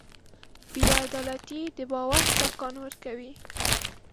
بېعدالتي د باور ټکان ورکوي.